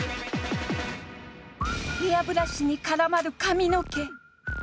ヘアブラシに絡まる髪の毛